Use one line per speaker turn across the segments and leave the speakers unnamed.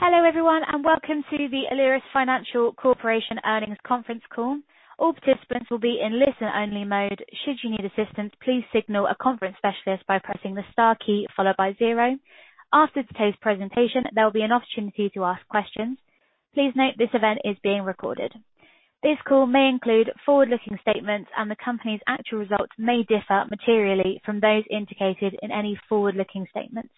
Hello, everyone, and welcome to the Alerus Financial Corporation earnings conference call. All participants will be in listen-only mode. Should you need assistance, please signal a conference specialist by pressing the star key followed by zero. After today's presentation, there'll be an opportunity to ask questions. Please note this event is being recorded. This call may include forward-looking statements, and the company's actual results may differ materially from those indicated in any forward-looking statements.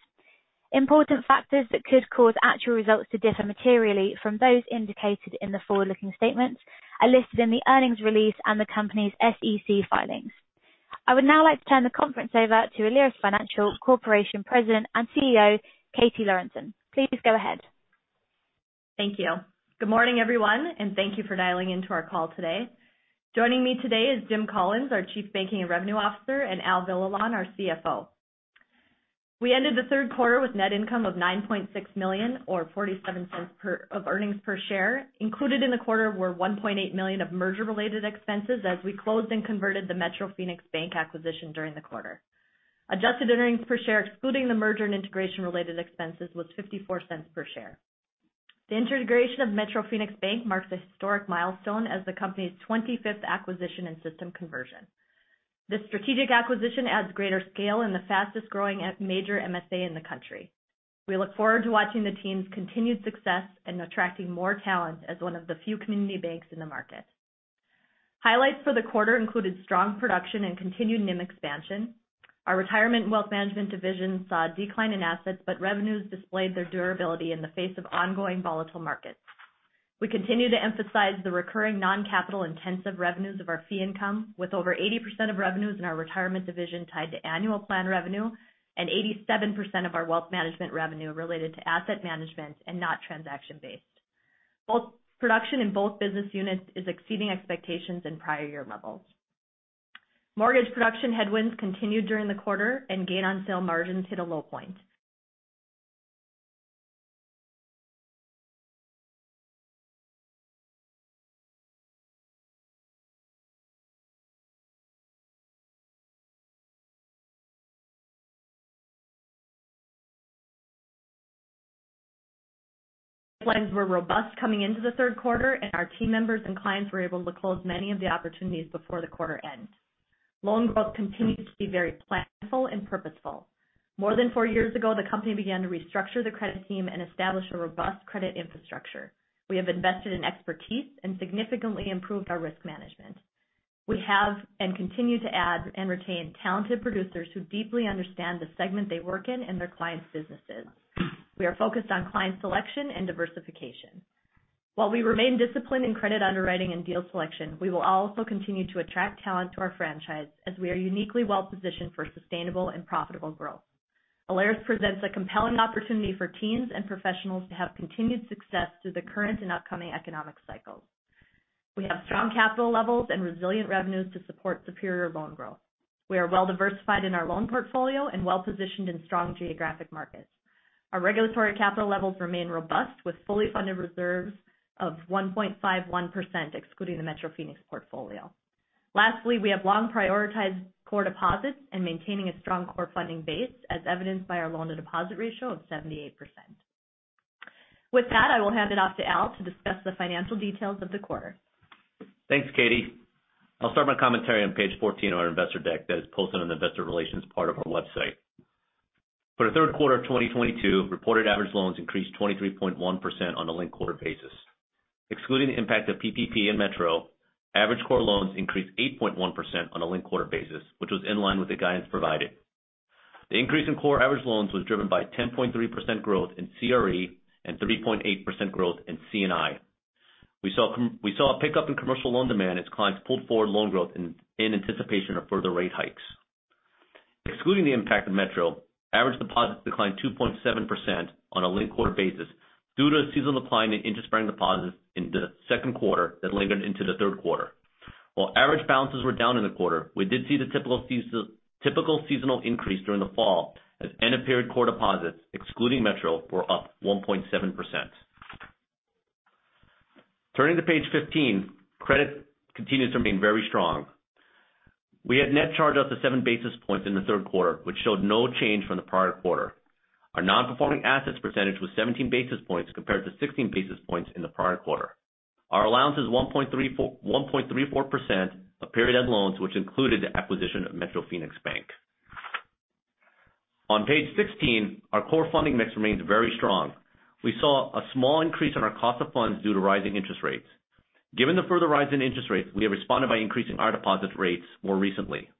Important factors that could cause actual results to differ materially from those indicated in the forward-looking statements are listed in the earnings release and the company's SEC filings. I would now like to turn the conference over to Alerus Financial Corporation President and CEO, Katie Lorenson. Please go ahead.
Thank you. Good morning, everyone, and thank you for dialing into our call today. Joining me today is Jim Collins, our Chief Banking and Revenue Officer, and Al Villalon, our CFO. We ended the third quarter with net income of $9.6 million or $0.47 of earnings per share. Included in the quarter were $1.8 million of merger-related expenses as we closed and converted the Metro Phoenix Bank acquisition during the quarter. Adjusted earnings per share, excluding the merger and integration-related expenses, was $0.54 per share. The integration of Metro Phoenix Bank marks a historic milestone as the company's 25th acquisition and system conversion. This strategic acquisition adds greater scale in the fastest-growing major MSA in the country. We look forward to watching the team's continued success in attracting more talent as one of the few community banks in the market. Highlights for the quarter included strong production and continued NIM expansion. Our retirement and wealth management division saw a decline in assets, but revenues displayed their durability in the face of ongoing volatile markets. We continue to emphasize the recurring non-capital intensive revenues of our fee income, with over 80% of revenues in our retirement division tied to annual plan revenue and 87% of our wealth management revenue related to asset management and not transaction-based. Production in both business units is exceeding expectations in prior year levels. Mortgage production headwinds continued during the quarter and gain on sale margins hit a low point. Pipelines were robust coming into the third quarter, and our team members and clients were able to close many of the opportunities before the quarter end. Loan growth continues to be very planful and purposeful. More than four years ago, the company began to restructure the credit team and establish a robust credit infrastructure. We have invested in expertise and significantly improved our risk management. We have, and continue to add and retain talented producers who deeply understand the segment they work in and their clients' businesses. We are focused on client selection and diversification. While we remain disciplined in credit underwriting and deal selection, we will also continue to attract talent to our franchise as we are uniquely well positioned for sustainable and profitable growth. Alerus presents a compelling opportunity for teams and professionals to have continued success through the current and upcoming economic cycles. We have strong capital levels and resilient revenues to support superior loan growth. We are well-diversified in our loan portfolio and well-positioned in strong geographic markets. Our regulatory capital levels remain robust, with fully funded reserves of 1.51%, excluding the Metro Phoenix Bank portfolio. Lastly, we have long prioritized core deposits and maintaining a strong core funding base, as evidenced by our loan-to-deposit ratio of 78%. With that, I will hand it off to Al to discuss the financial details of the quarter.
Thanks, Katie. I'll start my commentary on page 14 of our investor deck that is posted on the investor relations part of our website. For the third quarter of 2022, reported average loans increased 23.1% on a linked-quarter basis. Excluding the impact of PPP and Metro, average core loans increased 8.1% on a linked-quarter basis, which was in line with the guidance provided. The increase in core average loans was driven by 10.3% growth in CRE and 3.8% growth in C&I. We saw a pickup in commercial loan demand as clients pulled forward loan growth in anticipation of further rate hikes. Excluding the impact of Metro, average deposits declined 2.7% on a linked-quarter basis due to a seasonal decline in interest-bearing deposits in the second quarter that lingered into the third quarter. While average balances were down in the quarter, we did see the typical seasonal increase during the fall as end-of-period core deposits, excluding Metro, were up 1.7%. Turning to page 15. Credit continues to remain very strong. We had net charge-offs of 7 basis points in the third quarter, which showed no change from the prior quarter. Our non-performing assets percentage was 17 basis points compared to 16 basis points in the prior quarter. Our allowance is 1.34, 1.34% of period-end loans, which included the acquisition of Metro Phoenix Bank. On page 16, our core funding mix remains very strong. We saw a small increase in our cost of funds due to rising interest rates. Given the further rise in interest rates, we have responded by increasing our deposit rates more recently.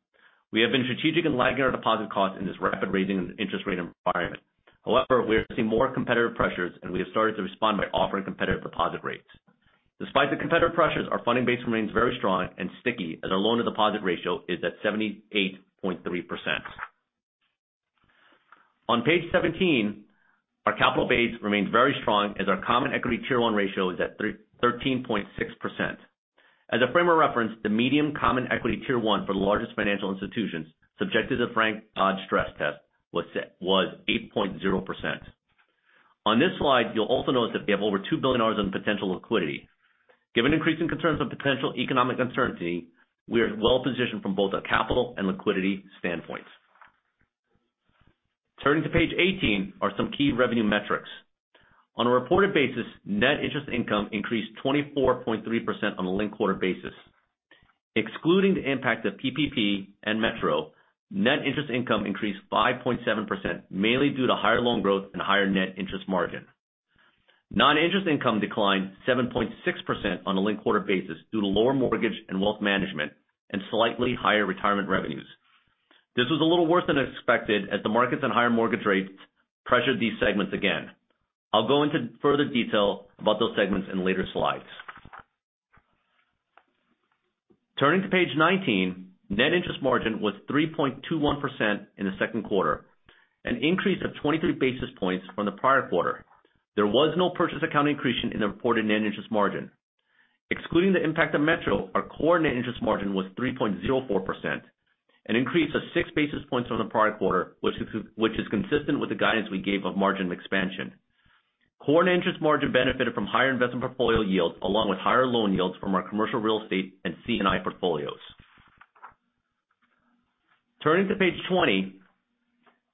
We have been strategic in lagging our deposit costs in this rapidly rising interest rate environment. However, we are seeing more competitive pressures, and we have started to respond by offering competitive deposit rates. Despite the competitive pressures, our funding base remains very strong and sticky as our loan-to-deposit ratio is at 78.3%. On page 17, our capital base remains very strong as our common equity Tier 1 ratio is at 13.6%. As a frame of reference, the median common equity Tier 1 for the largest financial institutions subjected to the Dodd-Frank Act Stress Test was 8.0%. On this slide, you'll also notice that we have over $2 billion in potential liquidity. Given increasing concerns of potential economic uncertainty, we are well positioned from both a capital and liquidity standpoint. Turning to page 18 are some key revenue metrics. On a reported basis, net interest income increased 24.3% on a linked quarter basis. Excluding the impact of PPP and Metro, net interest income increased 5.7%, mainly due to higher loan growth and higher net interest margin. Non-interest income declined 7.6% on a linked quarter basis due to lower mortgage and wealth management and slightly higher retirement revenues. This was a little worse than expected as the markets and higher mortgage rates pressured these segments again. I'll go into further detail about those segments in later slides. Turning to page 19. Net interest margin was 3.21% in the second quarter, an increase of 23 basis points from the prior quarter. There was no purchase account accretion in the reported net interest margin. Excluding the impact of Metro, our core net interest margin was 3.04%, an increase of 6 basis points from the prior quarter, which is consistent with the guidance we gave of margin expansion. Core net interest margin benefited from higher investment portfolio yields along with higher loan yields from our commercial real estate and C&I portfolios. Turning to page 20.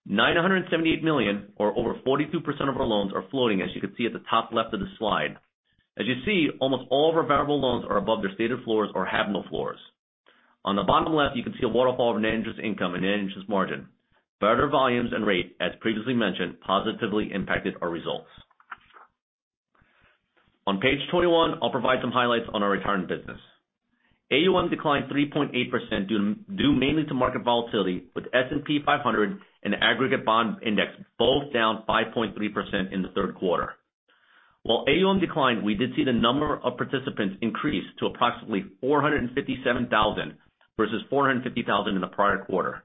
$978 million or over 42% of our loans are floating, as you can see at the top left of the slide. As you see, almost all of our variable loans are above their stated floors or have no floors. On the bottom left, you can see a waterfall of net interest income and net interest margin. Better volumes and rate, as previously mentioned, positively impacted our results. On page 21, I'll provide some highlights on our retirement business. AUM declined 3.8% due mainly to market volatility, with S&P 500 and Aggregate Bond Index both down 5.3% in the third quarter. While AUM declined, we did see the number of participants increase to approximately 457,000 versus 450,000 in the prior quarter.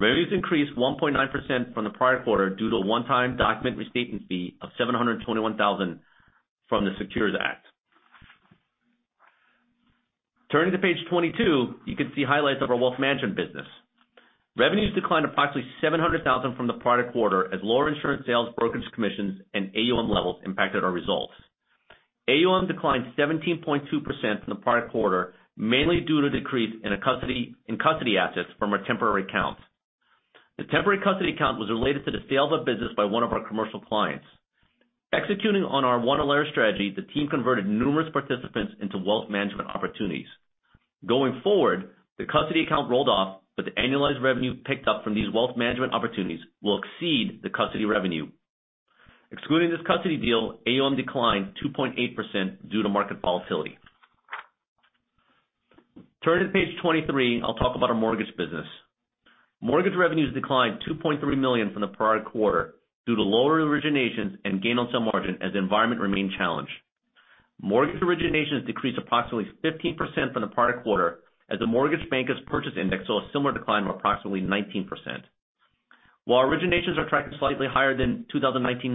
Revenues increased 1.9% from the prior quarter due to a one-time document restatement fee of $721,000 from the SECURE Act. Turning to page 22, you can see highlights of our wealth management business. Revenues declined approximately $700,000 from the prior quarter as lower insurance sales, brokerage commissions, and AUM levels impacted our results. AUM declined 17.2% from the prior quarter, mainly due to decrease in custody assets from a temporary account. The temporary custody account was related to the sale of a business by one of our commercial clients. Executing on our One Alerus strategy, the team converted numerous participants into wealth management opportunities. Going forward, the custody account rolled off, but the annualized revenue picked up from these wealth management opportunities will exceed the custody revenue. Excluding this custody deal, AUM declined 2.8% due to market volatility. Turning to page 23, I'll talk about our mortgage business. Mortgage revenues declined $2.3 million from the prior quarter due to lower originations and gain on sale margin as the environment remained challenged. Mortgage originations decreased approximately 15% from the prior quarter as the mortgage banker's purchase index saw a similar decline of approximately 19%. While originations are tracking slightly higher than 2019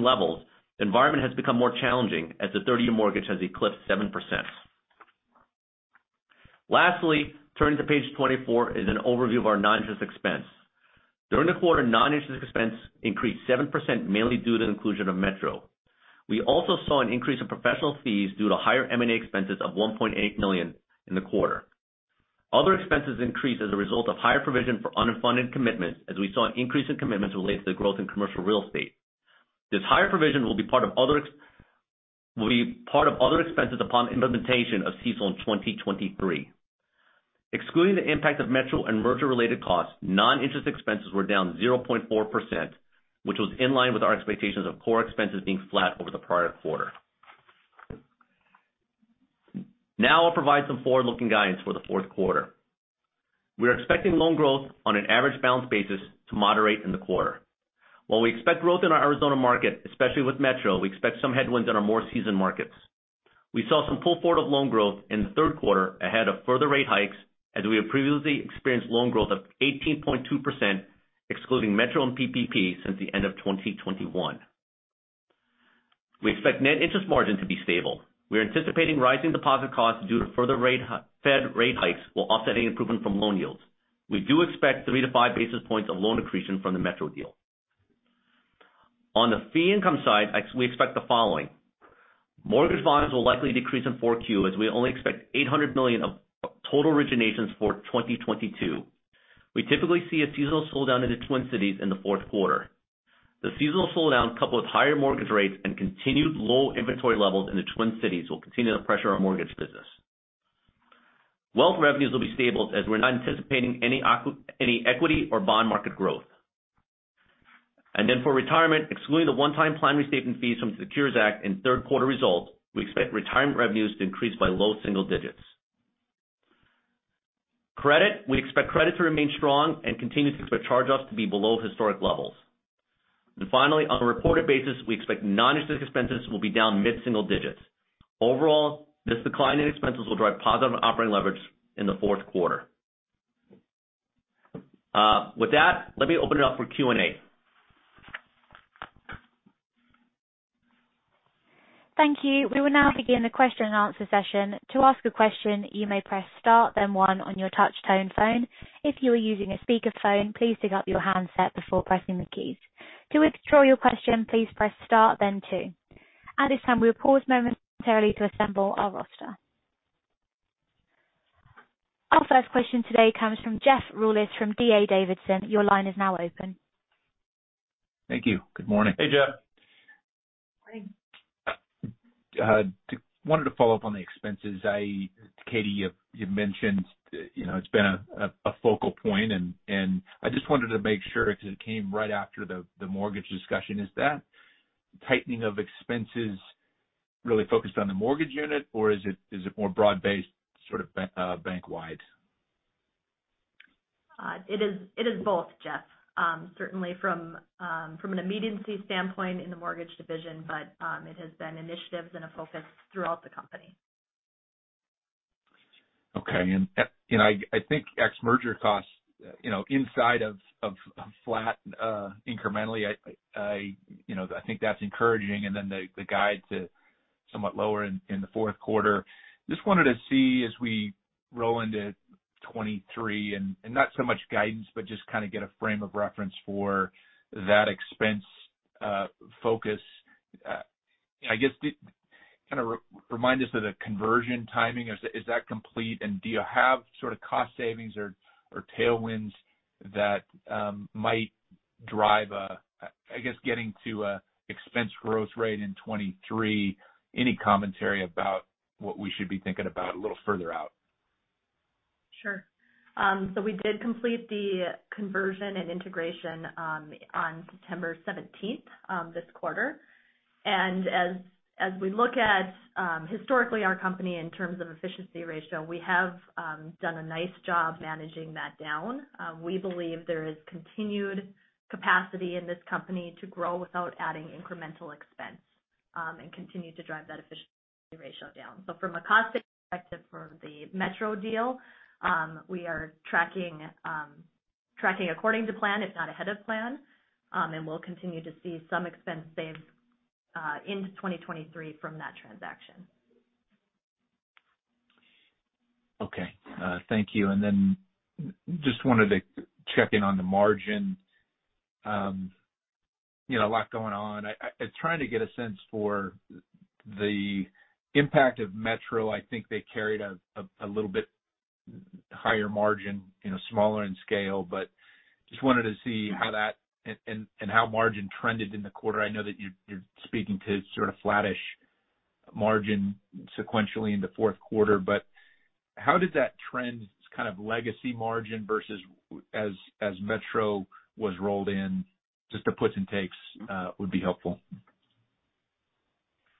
levels, the environment has become more challenging as the 30-year mortgage has eclipsed 7%. Lastly, turning to page 24 is an overview of our non-interest expense. During the quarter, non-interest expense increased 7% mainly due to the inclusion of Metro. We also saw an increase in professional fees due to higher M&A expenses of $1.8 million in the quarter. Other expenses increased as a result of higher provision for unfunded commitments, as we saw an increase in commitments related to the growth in commercial real estate. This higher provision will be part of other expenses upon implementation of CECL in 2023. Excluding the impact of Metro and merger-related costs, non-interest expenses were down 0.4%, which was in line with our expectations of core expenses being flat over the prior quarter. Now I'll provide some forward-looking guidance for the fourth quarter. We are expecting loan growth on an average balance basis to moderate in the quarter. While we expect growth in our Arizona market, especially with Metro, we expect some headwinds in our more seasoned markets. We saw some pull forward of loan growth in the third quarter ahead of further rate hikes, as we have previously experienced loan growth of 18.2%, excluding Metro and PPP since the end of 2021. We expect net interest margin to be stable. We are anticipating rising deposit costs due to further Fed rate hikes while offsetting improvement from loan yields. We do expect 3-5 basis points of loan accretion from the Metro deal. On the fee income side, we expect the following. Mortgage volumes will likely decrease in 4Q as we only expect $800 million of total originations for 2022. We typically see a seasonal slowdown in the Twin Cities in the fourth quarter. The seasonal slowdown, coupled with higher mortgage rates and continued low inventory levels in the Twin Cities, will continue to pressure our mortgage business. Wealth revenues will be stable as we're not anticipating any equity or bond market growth. Then for retirement, excluding the one-time plan restatement fees from the SECURE Act and third quarter results, we expect retirement revenues to increase by low single digits. Credit. We expect credit to remain strong and continue to expect charge-offs to be below historic levels. Finally, on a reported basis, we expect non-interest expenses will be down mid-single digits. Overall, this decline in expenses will drive positive operating leverage in the fourth quarter. With that, let me open it up for Q&A.
Thank you. We will now begin the question and answer session. To ask a question, you may press star, then one on your touch tone phone. If you are using a speakerphone, please pick up your handset before pressing the keys. To withdraw your question, please press star then two. At this time, we'll pause momentarily to assemble our roster. Our first question today comes from Jeff Rulis from D.A. Davidson. Your line is now open.
Thank you. Good morning.
Hey, Jeff.
Morning.
Wanted to follow up on the expenses. Katie, you mentioned, you know, it's been a focal point and I just wanted to make sure because it came right after the mortgage discussion. Is that tightening of expenses really focused on the mortgage unit or is it more broad-based sort of bank-wide?
It is both, Jeff. Certainly from an immediacy standpoint in the mortgage division, but it has been initiatives and a focus throughout the company.
Okay. You know, I think ex-merger costs, you know, inside of flat incrementally, you know, I think that's encouraging. The guide to somewhat lower in the fourth quarter. Just wanted to see as we roll into 2023 and not so much guidance, but just kind of get a frame of reference for that expense focus. I guess kind of remind us of the conversion timing. Is that complete? Do you have sort of cost savings or tailwinds that might drive I guess getting to a expense growth rate in 2023, any commentary about what we should be thinking about a little further out?
Sure. We did complete the conversion and integration on September 17th this quarter. As we look at historically our company in terms of efficiency ratio, we have done a nice job managing that down. We believe there is continued capacity in this company to grow without adding incremental expense and continue to drive that efficiency ratio down. From a cost perspective for the Metro deal, we are tracking according to plan if not ahead of plan, and we'll continue to see some expense saves into 2023 from that transaction.
Okay. Thank you. Just wanted to check in on the margin. You know, a lot going on. I trying to get a sense for the impact of Metro. I think they carried a little bit higher margin, you know, smaller in scale, but just wanted to see how that and how margin trended in the quarter. I know that you're speaking to sort of flattish margin sequentially in the fourth quarter. How does that trend kind of legacy margin versus as Metro was rolled in, just the puts and takes, would be helpful.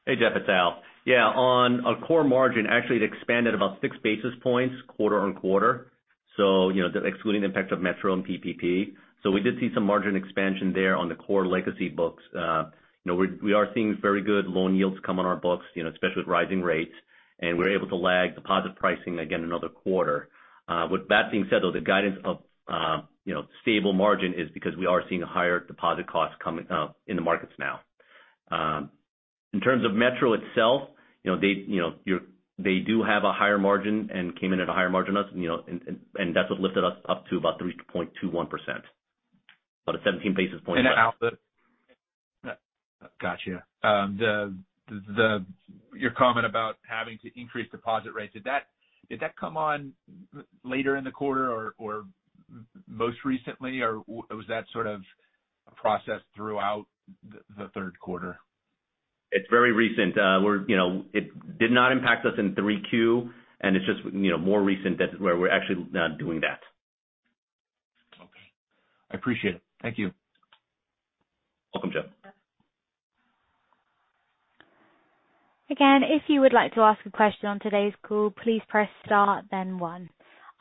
Hey, Jeff, it's Al. Yeah. On our core margin, actually it expanded about six basis points quarter-over-quarter. You know, excluding the impact of Metro and PPP. We did see some margin expansion there on the core legacy books. You know, we are seeing very good loan yields come on our books, you know, especially with rising rates. We're able to lag deposit pricing again another quarter. With that being said, though, the guidance of, you know, stable margin is because we are seeing higher deposit costs coming in the markets now. In terms of Metro itself, you know, they do have a higher margin and came in at a higher margin than us, you know, and that's what lifted us up to about 3.21%. About 17 basis points.
Al, gotcha. Your comment about having to increase deposit rates, did that come on later in the quarter or most recently, or was that sort of a process throughout the third quarter?
It's very recent. We're, you know, it did not impact us in 3Q, and it's just, you know, more recent that we're actually now doing that.
Okay. I appreciate it. Thank you.
Welcome, Jeff.
Again, if you would like to ask a question on today's call, please press star then one.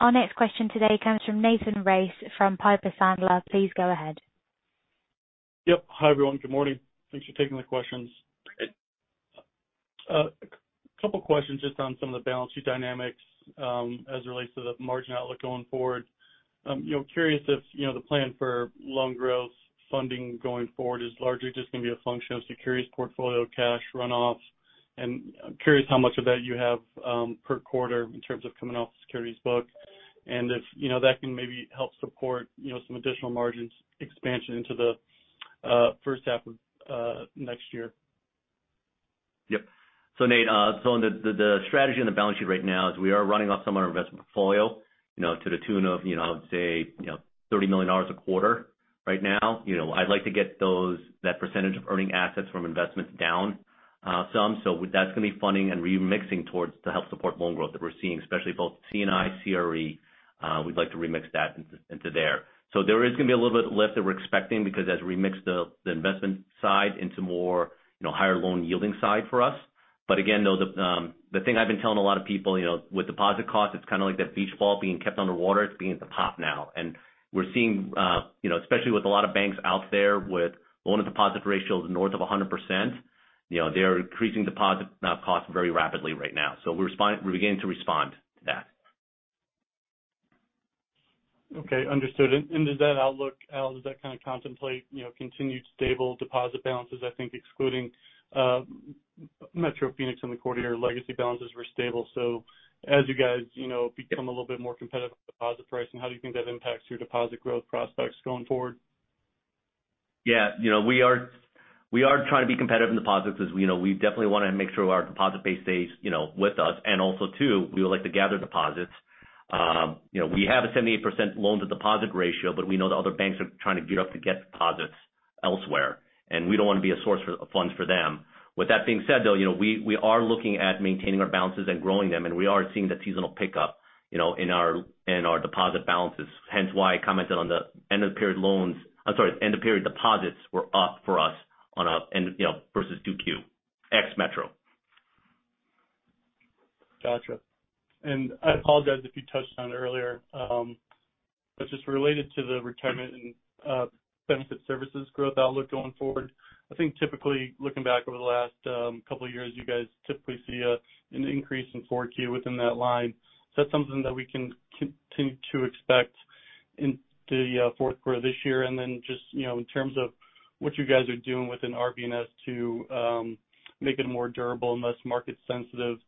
Our next question today comes from Nathan Race from Piper Sandler. Please go ahead.
Yep. Hi, everyone. Good morning. Thanks for taking the questions. A couple questions just on some of the balance sheet dynamics, as it relates to the margin outlook going forward. You know, curious if, you know, the plan for loan growth funding going forward is largely just going to be a function of securities portfolio cash runoff. I'm curious how much of that you have, per quarter in terms of coming off the securities book. If, you know, that can maybe help support, you know, some additional margins expansion into the first half of next year.
Yep. Nate, the strategy on the balance sheet right now is we are running off some of our investment portfolio, you know, to the tune of, you know, I would say, you know, $30 million a quarter right now. You know, I'd like to get that percentage of earning assets from investments down some. That's gonna be funding and remixing toward to help support loan growth that we're seeing, especially both C&I, CRE. We'd like to remix that into there. There is gonna be a little bit lift that we're expecting because as we mix the investment side into more, you know, higher loan yielding side for us. Again, though, the thing I've been telling a lot of people, you know, with deposit costs, it's kind of like that beach ball being kept under water. It's being at the top now. We're seeing, you know, especially with a lot of banks out there with loan-to-deposit ratios north of 100%, you know, they're increasing deposit costs very rapidly right now. We're beginning to respond to that.
Okay. Understood. Does that outlook, Al, kind of contemplate, you know, continued stable deposit balances? I think excluding, Metro Phoenix in the quarter, your legacy balances were stable. As you guys, you know, become a little bit more competitive on deposit pricing, how do you think that impacts your deposit growth prospects going forward?
Yeah. You know, we are trying to be competitive in deposits because, you know, we definitely wanna make sure our deposit base stays, you know, with us. Also too, we would like to gather deposits. You know, we have a 78% loan to deposit ratio, but we know that other banks are trying to gear up to get deposits elsewhere, and we don't wanna be a source of funds for them. With that being said, though, you know, we are looking at maintaining our balances and growing them, and we are seeing the seasonal pickup, you know, in our deposit balances. Hence why I commented on the end of period deposits were up for us, you know, versus 2Q, ex-Metro.
Gotcha. I apologize if you touched on it earlier. Just related to the retirement and benefit services growth outlook going forward. I think typically looking back over the last couple of years, you guys typically see an increase in 4Q within that line. Is that something that we can continue to expect into the fourth quarter this year? Just, you know, in terms of what you guys are doing within RB&S to make it a more durable and less market sensitive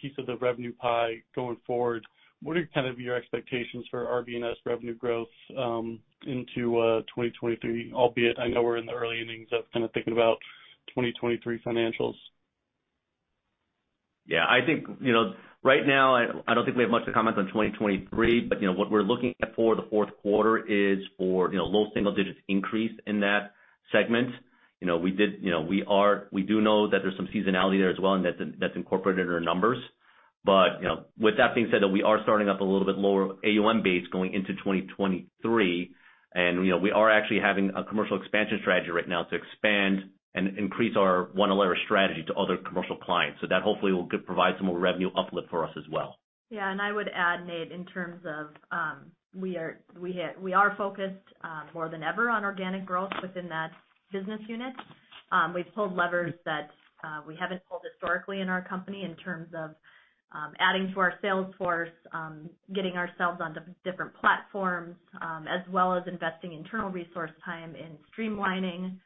piece of the revenue pie going forward, what are kind of your expectations for RB&S revenue growth into 2023? Albeit I know we're in the early innings of kind of thinking about 2023 financials.
Yeah. I think, you know, right now I don't think we have much to comment on 2023. You know, what we're looking at for the fourth quarter is, you know, low single digits increase in that segment. You know, we do know that there's some seasonality there as well, and that's incorporated in our numbers. You know, with that being said, we are starting up a little bit lower AUM base going into 2023. You know, we are actually having a commercial expansion strategy right now to expand and increase our One Alerus strategy to other commercial clients. That hopefully will provide some more revenue uplift for us as well.
Yeah. I would add, Nate, in terms of we are focused more than ever on organic growth within that business unit. We've pulled levers that we haven't pulled historically in our company in terms of adding to our sales force, getting ourselves onto different platforms, as well as investing internal resource time in streamlining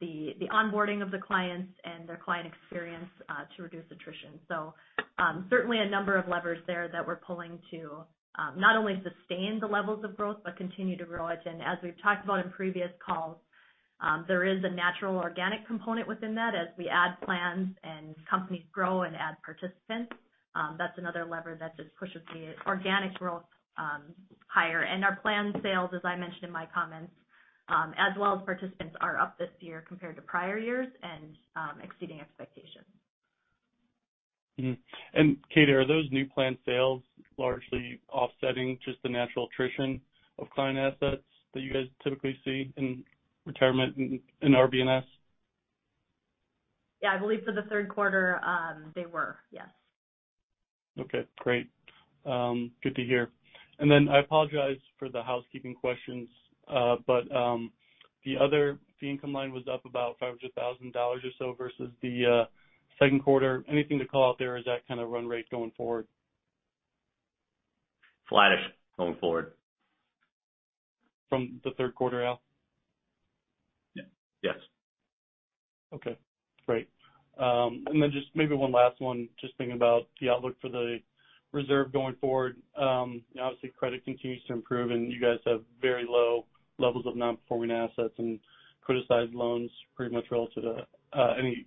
the onboarding of the clients and their client experience to reduce attrition. Certainly a number of levers there that we're pulling to not only sustain the levels of growth but continue to grow it. As we've talked about in previous calls, there is a natural organic component within that as we add plans and companies grow and add participants. That's another lever that just pushes the organic growth higher. Our planned sales, as I mentioned in my comments, as well as participants are up this year compared to prior years and exceeding expectations.
Mm-hmm. Katie, are those new plan sales largely offsetting just the natural attrition of client assets that you guys typically see in retirement in RB&S?
Yeah. I believe for the third quarter, they were, yes.
Okay, great. Good to hear. I apologize for the housekeeping questions. The other fee income line was up about $500,000 or so versus the second quarter. Anything to call out there? Is that kind of run rate going forward?
Flattish going forward.
From the third quarter out?
Yeah. Yes.
Okay, great. Just maybe one last one. Just thinking about the outlook for the reserve going forward. You know, obviously credit continues to improve and you guys have very low levels of non-performing assets and criticized loans pretty much relative to any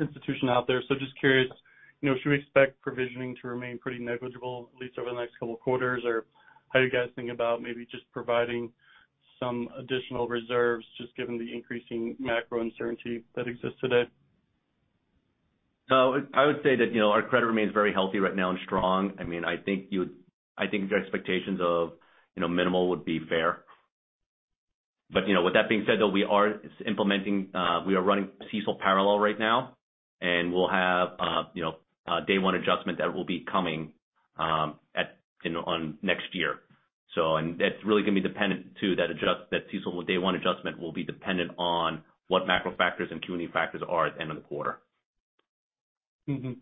institution out there. So just curious, you know, should we expect provisioning to remain pretty negligible at least over the next couple of quarters? Or how are you guys thinking about maybe just providing some additional reserves just given the increasing macro uncertainty that exists today?
I would say that, you know, our credit remains very healthy right now and strong. I mean, I think the expectations of, you know, minimal would be fair. With that being said, though, we are running CECL parallel right now, and we'll have, you know, a day one adjustment that will be coming in next year. And that's really gonna be dependent on that CECL day one adjustment will be dependent on what macro factors and Q&E factors are at the end of the quarter.
Mm-hmm.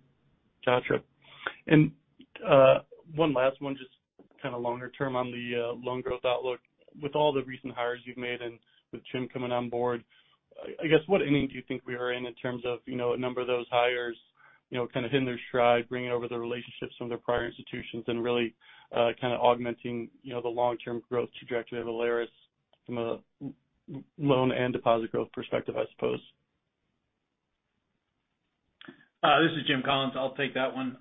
Gotcha. One last one, just kind of longer term on the loan growth outlook. With all the recent hires you've made and with Jim coming on board, I guess what inning do you think we are in in terms of, you know, a number of those hires, you know, kind of hitting their stride, bringing over the relationships from their prior institutions and really kind of augmenting, you know, the long-term growth trajectory of Alerus from a loan and deposit growth perspective, I suppose?
This is Jim Collins, I'll take that one.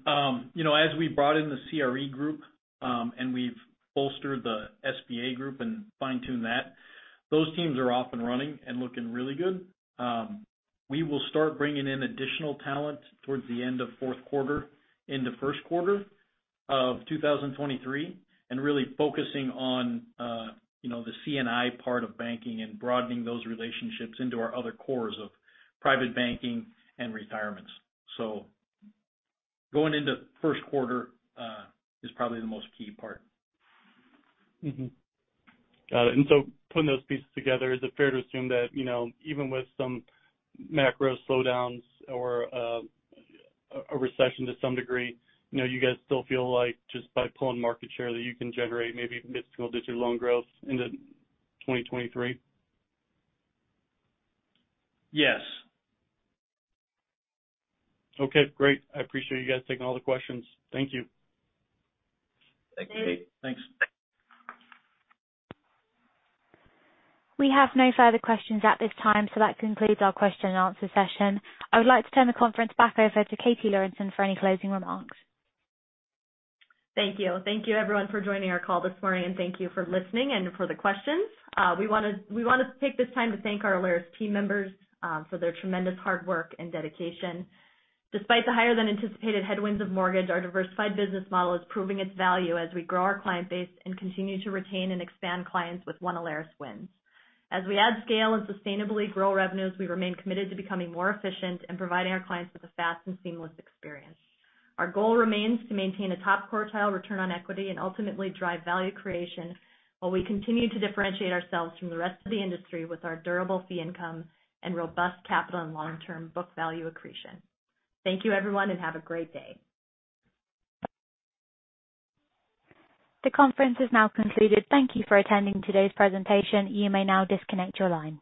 You know, as we brought in the CRE group, and we've bolstered the SBA group and fine-tuned that, those teams are off and running and looking really good. We will start bringing in additional talent towards the end of fourth quarter into first quarter of 2023 and really focusing on, you know, the C&I part of banking and broadening those relationships into our other cores of private banking and retirements. Going into first quarter is probably the most key part.
Got it. Putting those pieces together, is it fair to assume that, you know, even with some macro slowdowns or a recession to some degree, you know, you guys still feel like just by pulling market share that you can generate maybe mid-single digit loan growth into 2023?
Yes.
Okay, great. I appreciate you guys taking all the questions. Thank you.
Thank you.
Thanks.
Thanks.
We have no further questions at this time, so that concludes our question and answer session. I would like to turn the conference back over to Katie Lorenson for any closing remarks.
Thank you. Thank you everyone for joining our call this morning, and thank you for listening and for the questions. We wanna take this time to thank our Alerus team members for their tremendous hard work and dedication. Despite the higher than anticipated headwinds of mortgage, our diversified business model is proving its value as we grow our client base and continue to retain and expand clients with One Alerus wins. As we add scale and sustainably grow revenues, we remain committed to becoming more efficient and providing our clients with a fast and seamless experience. Our goal remains to maintain a top quartile return on equity and ultimately drive value creation while we continue to differentiate ourselves from the rest of the industry with our durable fee income and robust capital and long-term book value accretion. Thank you everyone and have a great day.
The conference is now concluded. Thank you for attending today's presentation. You may now disconnect your line.